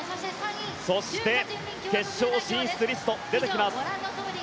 そして、決勝進出リスト出てきます。